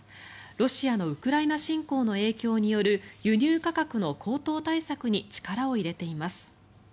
ロシアのウクライナ侵攻の影響による輸入価格の高騰対策に力を入れています。